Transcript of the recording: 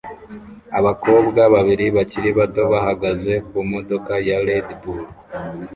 Abakobwa babiri bakiri bato bahagaze kumodoka ya Red Bull